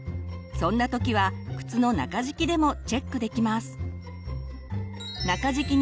そんな時は靴の中敷きでもチェックできます！